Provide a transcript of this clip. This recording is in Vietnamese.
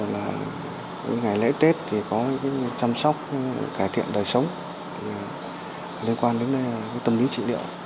ngày lễ tết thì có chăm sóc cải thiện đời sống liên quan đến tâm lý trị điệu